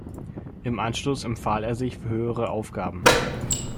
Im Anschluss empfahl er sich für höhere Aufgaben.